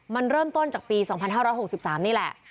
มันเริ่มต้นจากปี๒๕๖๓นี่แหละ